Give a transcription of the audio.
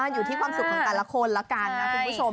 อยู่ที่ความสุขของแต่ละคนละกันนะคุณผู้ชม